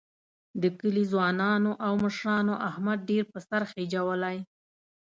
د کلي ځوانانو او مشرانو احمد ډېر په سر خېجولی.